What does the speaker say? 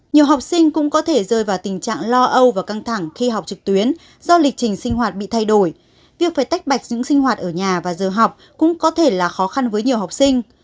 nhiều học sinh cũng có thể rơi vào tình trạng lo âu và căng thẳng khi học trực tuyến do lịch trình sinh hoạt bị thay đổi việc phải tách bạch dưỡng sinh hoạt ở nhà và giờ học cũng có thể là khó khăn với nhiều học sinh